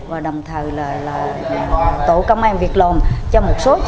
và đồng thời là